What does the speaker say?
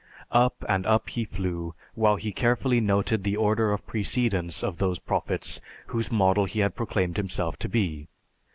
Up and up he flew, while he carefully noted the order of precedence of those prophets whose model he had proclaimed himself to be.